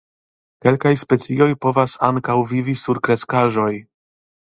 Kelkaj specioj povas ankaŭ vivi sur kreskaĵoj.